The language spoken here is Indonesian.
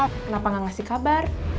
kenapa gak ngasih kabar